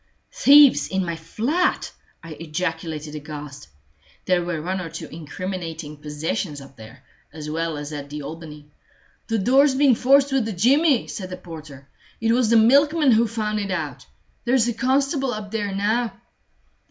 "Thieves in my flat!" I ejaculated aghast. There were one or two incriminating possessions up there, as well as at the Albany. "The door's been forced with a jimmy," said the porter. "It was the milkman who found it out. There's a constable up there now."